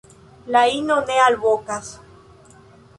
La ino ne alvokas.